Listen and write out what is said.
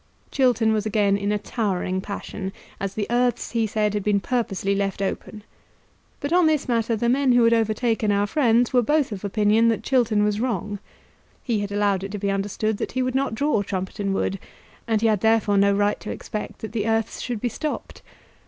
Chiltern was again in a towering passion, as the earths, he said, had been purposely left open. But on this matter the men who had overtaken our friends were both of opinion that Chiltern was wrong. He had allowed it to be understood that he would not draw Trumpeton Wood, and he had therefore no right to expect that the earths should be stopped.